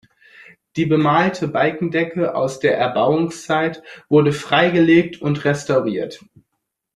Die bemalte Balkendecke aus der Erbauungszeit wurde freigelegt und restauriert.